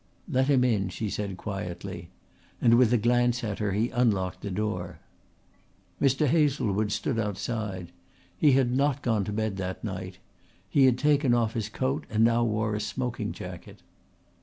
"Let him in," she said quietly, and with a glance at her he unlocked the door. Mr. Hazlewood stood outside. He had not gone to bed that night. He had taken off his coat and now wore a smoking jacket.